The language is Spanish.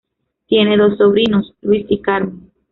Tiene dos sobrinos: Luis y Carmen.